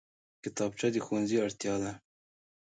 کتابچه د ښوونځي اړتیا ده